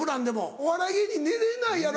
お笑い芸人寝れないやろ。